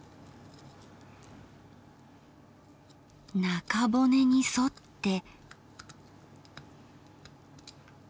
中骨に沿って。